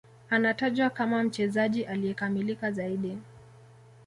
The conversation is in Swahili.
Anatajwa kama mchezaji aliyekamilika zaidi